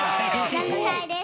６歳です。